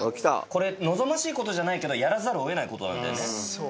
これ、望ましいことじゃないけど、やらざるをえないことなんだよね。